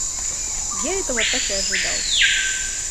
Я это так и ожидал!